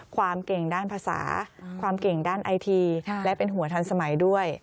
ความเก่งด้านภาษาความเก่งด้านไอทีและเป็นหัวทันสมัยด้วย